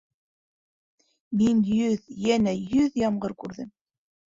— Мин йөҙ... йәнә йөҙ ямғыр күрҙем.